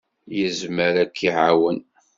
Yezmer ad k-iɛawen.